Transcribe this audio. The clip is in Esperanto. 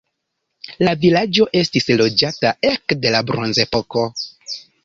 La vilaĝo estis loĝata ekde la bronzepoko.